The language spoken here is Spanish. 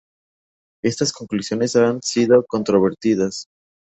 Estas conclusiones han sido controvertidas.